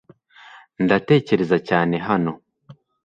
Ndatekereza cyane hano .